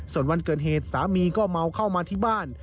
ส่วนวันเกิดเหตุสามีก็เมาเข้ามาที่บ้าน